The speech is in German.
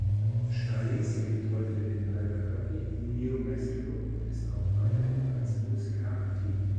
Stallings lebt heute in Albuquerque, New Mexico, und ist auch weiterhin als Musiker aktiv.